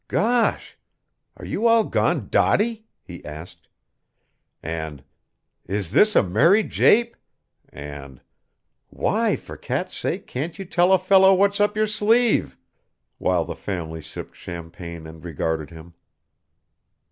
"Gosh! are you all gone dotty?" he asked. And "Is this a merry jape?" And "Why, for cat's sake, can't you tell a fellow what's up your sleeve?" While the family sipped champagne and regarded him.